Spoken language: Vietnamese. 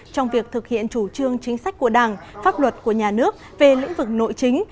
trong việc thực hiện chủ trương chính sách của đảng pháp luật của nhà nước về lĩnh vực nội chính